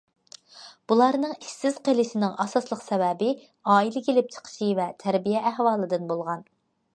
بۇلارنىڭ ئىشسىز قىلىشىنىڭ ئاساسلىق سەۋەبى ئائىلە كېلىپ چىقىشى ۋە تەربىيە ئەھۋالىدىن بولغان.